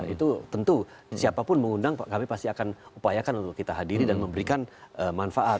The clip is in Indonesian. itu tentu siapapun mengundang kami pasti akan upayakan untuk kita hadiri dan memberikan manfaat